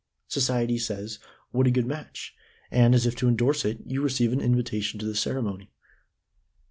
Society says 'What a good match!' and, as if to endorse it, you receive an invitation to the ceremony."